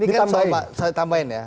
ini kan soal pak saya tambahin ya